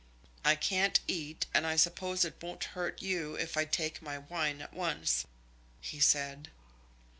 "I can't eat, and I suppose it won't hurt you if I take my wine at once," he said.